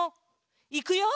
いくよ。